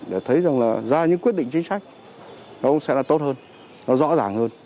để thấy rằng là ra những quyết định chính sách nó cũng sẽ là tốt hơn nó rõ ràng hơn